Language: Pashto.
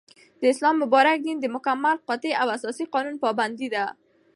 داسلام مبارك دين دمكمل ، قاطع او اساسي قانون پابند دى